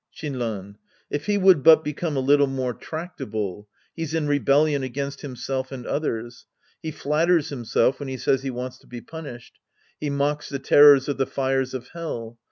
Shinran. If he would but become a little more tractable. He's in rebellion against himself and others. He flatters himself when he says he wants to be punished. He mocks the terrors of the fires of Hell.